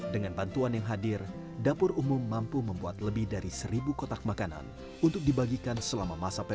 dengan bantuan yang hadir dapur umum mampu membuat lebih dari seribu kotak makanan untuk dibagikan selama masa ppkm